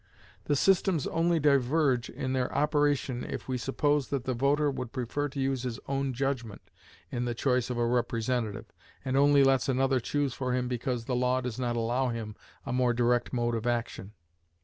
The systems only diverge in their operation if we suppose that the voter would prefer to use his own judgment in the choice of a representative, and only lets another choose for him because the law does not allow him a more direct mode of action.